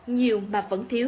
nhiều mà vẫn thiếu